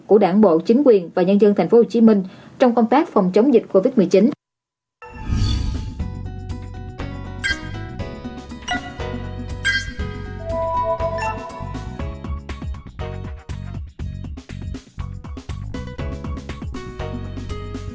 của đảng bộ chính quyền và nhân dân tp hcm trong công tác phòng chống dịch covid một mươi chín